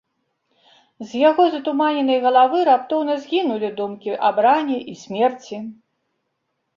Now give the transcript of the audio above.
З яго затуманенай галавы раптоўна згінулі думкі аб ране і смерці.